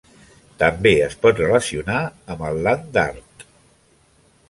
També es pot relacionar amb el Land art.